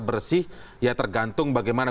bersih ya tergantung bagaimana